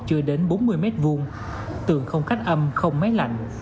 chưa đến bốn mươi m hai tường không cách âm không máy lạnh